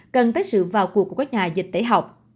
cần tới sự vào cuộc của các nhà dịch tễ học